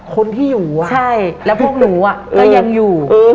คนที่อยู่อ่ะใช่แล้วพวกหนูอ่ะก็ยังอยู่เออ